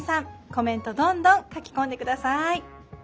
コメントどんどん書き込んで下さい。